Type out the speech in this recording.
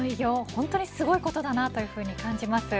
本当にすごいことだなと感じます。